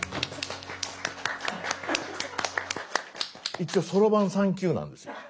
一応そろばん３級なんですよ。